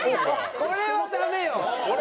これはダメよ！